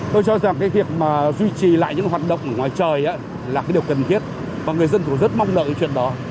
tôi cho rằng việc duy trì lại những hoạt động ngoài trời là điều cần thiết và người dân cũng rất mong đợi chuyện đó